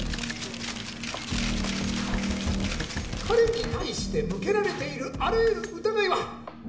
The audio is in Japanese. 彼に対して向けられているあらゆる疑いは。